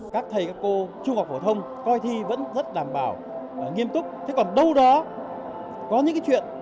các thầy các cô trung học phổ thông coi thi vẫn rất đảm bảo nghiêm túc thế còn đâu đó có những cái chuyện